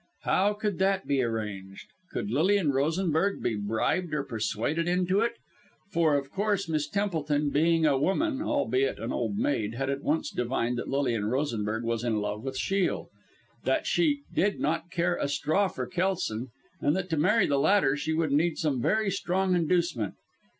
How could that be arranged? Could Lilian Rosenberg be bribed or persuaded into it? for of course Miss Templeton being a woman albeit an old maid had at once divined that Lilian Rosenberg was in love with Shiel that she did not care a straw for Kelson, and that to marry the latter she would need some very strong inducement.